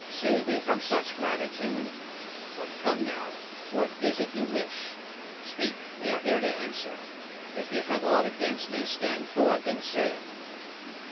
Save me from such gratitude! But, come, now, what is it ye wish? Speak; we are here to answer. If ye have aught against me, stand forth and say it."